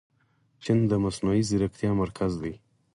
چین د مصنوعي ځیرکتیا مرکز دی.